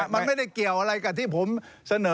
มันไม่ได้เกี่ยวอะไรกับที่ผมเสนอ